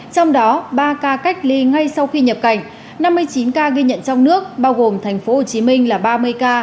trong đó ba ca cách ly ngay sau khi nhập cảnh năm mươi chín ca ghi nhận trong nước bao gồm thành phố hồ chí minh là ba mươi ca